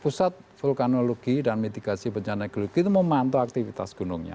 pusat vulkanologi dan mitigasi bencana geologi itu memantau aktivitas gunungnya